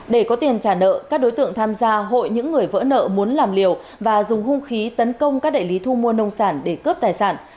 để có tiền trả nợ các đối tượng tham gia hội những người vỡ nợ muốn làm liều và dùng hung khí tấn công các đại lý thu mua nông sản để cướp tài sản